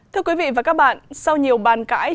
thưa quý vị và các bạn sau nhiều bàn cãi